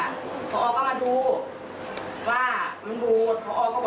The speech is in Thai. เอาอนุร้อนมาล้างแล้วก็เอาไปฟรุงเครื่องใหม่ค่ะ